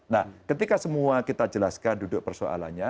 nah ketika semua kita jelaskan duduk persoalannya